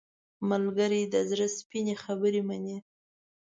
ملګری د زړه سپینې خبرې مني